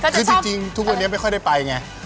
คือจริงทุกวันนี้ไม่ค่อยได้ไปไง